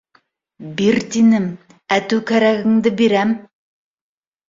— Бир тинем, әтеү кәрәгеңде бирәм!